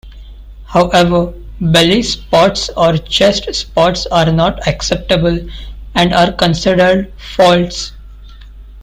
However, belly spots or chest spots are not acceptable, and are considered faults.